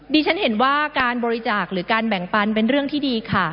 ดิฉันเห็นว่าการบริจาคหรือการแบ่งปันเป็นเรื่องที่ดีค่ะ